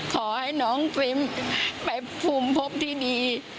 ขอให้น้องฟิล์มไปภูมิพบที่ดี